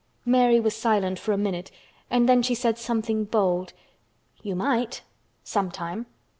Mary was silent for a minute and then she said something bold. "You might—sometime."